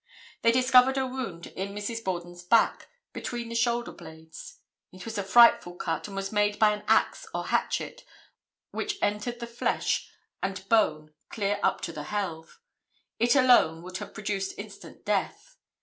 They discovered a wound in Mrs. Borden back, between the shoulder blades. It was a frightful cut and was made by an axe or hatchet which entered the flesh and bone clear up to the helve. It alone would have produced instant death.